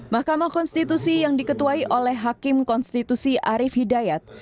mahkamah konstitusi yang diketuai oleh hakim konstitusi arief hidayat